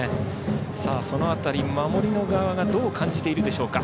その辺り、守りの側がどう感じているでしょうか。